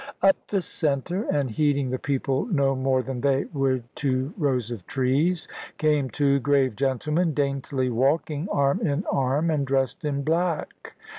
Up the centre, and heeding the people no more than they would two rows of trees, came two grave gentlemen, daintily walking arm in arm, and dressed in black.